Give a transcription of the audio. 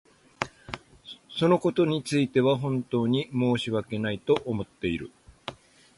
そのことについては本当に申し訳ないと思っている。